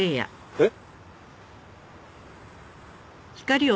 えっ？